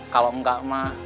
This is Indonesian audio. kalau enggak mah